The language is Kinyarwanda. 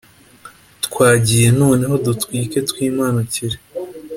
Twagiye noneho dutwike twi manukira